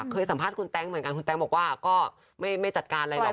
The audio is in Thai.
สัมภาษณ์คุณแต๊งเหมือนกันคุณแต๊งบอกว่าก็ไม่จัดการอะไรหรอก